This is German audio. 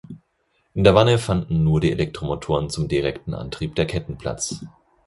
In der Wanne fanden nur die Elektromotoren zum direkten Antrieb der Ketten Platz.